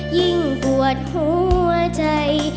ยิ่งปวดหัวใจ